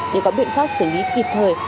để có biện pháp xử lý kịp thời